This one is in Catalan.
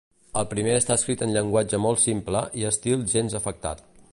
El primer està escrit en llenguatge molt simple i estil gens afectat.